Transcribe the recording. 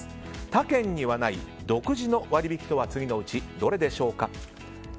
他県にはない独自の割引とは次のうちどれでしょうか。